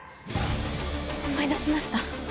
思い出しました。